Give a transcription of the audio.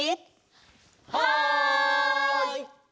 はい！